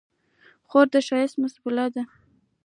خور د ښایست سمبول ده.